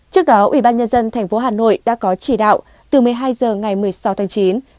trước đó ủy ban nhân dân thành phố hà nội đã có chỉ đạo từ một mươi hai h ngày một mươi sáu tháng chín